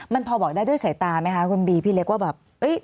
มันพอบอกได้ด้วยสายตาไหมคะคุณบีพี่เล็กว่าแบบ